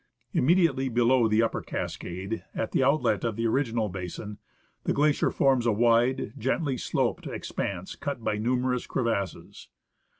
Immediately below the upper cascade, at the outlet of the original basin, the glacier forms a wide, gently sloped expanse cut by numerous crevasses.